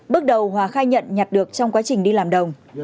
bước đầu hòa khai nhận nhặt được trong quá trình đi làm đồng